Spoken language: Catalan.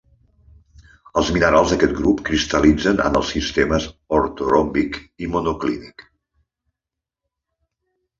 Els minerals d'aquest grup cristal·litzen en els sistemes ortoròmbic i monoclínic.